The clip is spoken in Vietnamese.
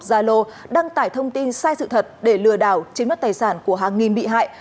gia lô đăng tải thông tin sai sự thật để lừa đảo chiếm đất tài sản của hàng nghìn bị hại